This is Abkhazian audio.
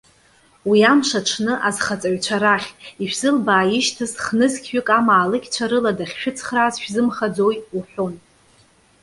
Уи амш аҽны, азхаҵаҩцәа рахь: Ишәзылбааишьҭыз х-нызқьҩык амаалықьцәа рыла дахьшәыцхрааз шәзымхаӡои?- уҳәон.